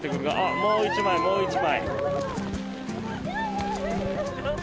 もう１枚、もう１枚。